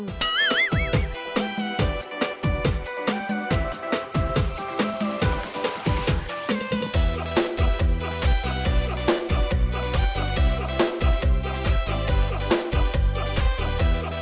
สวัสดีครับ